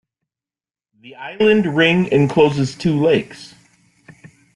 The island ring encloses two lakes.